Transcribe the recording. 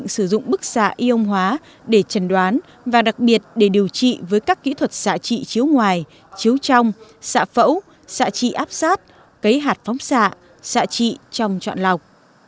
sử dụng bức xạ iong hóa để trần đoán và đặc biệt để điều trị với các kỹ thuật xạ trị chiếu ngoài chiếu trong xạ phẫu xạ trị áp sát cấy hạt phóng xạ xạ xạ trị trong chọn lọc